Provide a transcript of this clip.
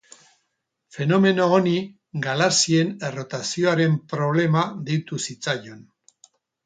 Fenomeno honi galaxien errotazioaren problema deitu zitzaion.